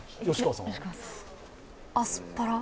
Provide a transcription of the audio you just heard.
アスパラ？